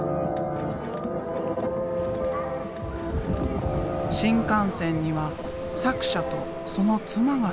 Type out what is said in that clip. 新幹線には作者とその妻が住んでいる。